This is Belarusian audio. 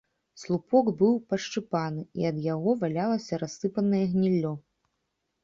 Слупок быў пашчыпаны, і ад яго валялася рассыпанае гніллё.